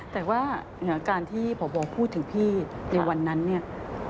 แต่ว่าการที่พบพูดถึงพี่ในวันนั้นเนี่ย